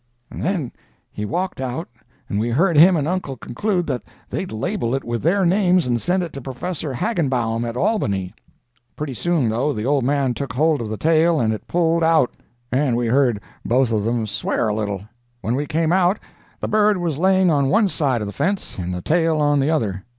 "And then he walked out, and we heard him and uncle conclude that they'd label it with their names and send it to Professor Hagenbaum, at Albany. Pretty soon, though, the old man took hold of the tail and it pulled out, and we heard both of them swear a little. When we came out, the bird was laying on one side of the fence and the tail on the other.